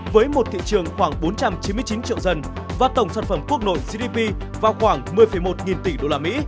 với một thị trường khoảng bốn trăm chín mươi chín triệu dân và tổng sản phẩm quốc nội gdp vào khoảng một mươi một nghìn tỷ usd